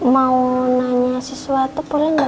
mau nanya sesuatu boleh gak mbak